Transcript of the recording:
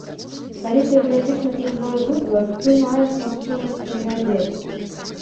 Калі ты глядзіш на чужое быдла, ты маеш магчымасць прыглядзецца.